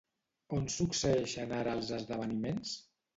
On succeeixen ara els esdeveniments?